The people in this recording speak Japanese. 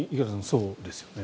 そうですよね。